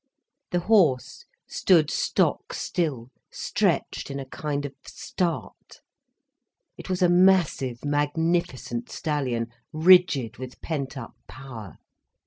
The horse stood stock still, stretched in a kind of start. It was a massive, magnificent stallion, rigid with pent up power.